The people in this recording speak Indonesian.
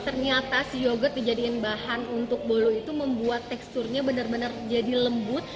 ternyata si yogurt dijadikan bahan untuk bolo itu membuat teksturnya benar benar jadi lembut